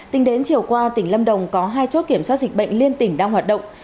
tính đến chiều qua tỉnh lâm đồng có hai chốt kiểm soát dịch bệnh liên tỉnh đang hoạt động